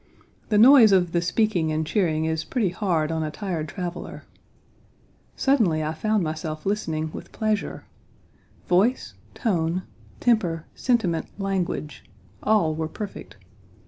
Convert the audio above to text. The noise of the speaking and cheering is pretty hard on a tired traveler. Suddenly I found myself listening with pleasure. Voice, tone, temper, sentiment, language, all were perfect.